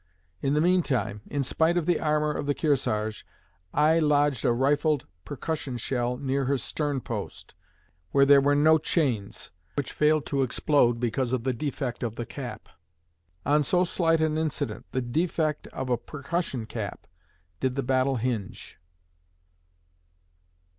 In the meantime, in spite of the armor of the Kearsarge, I lodged a rifled percussion shell near her stern post where there were no chains which failed to explode because of the defect of the cap. On so slight an incident the defect of a percussion cap did the battle hinge.